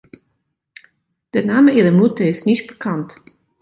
Der Name ihrer Mutter ist nicht bekannt.